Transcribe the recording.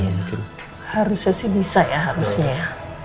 harusnya sih bisa ya harusnya ya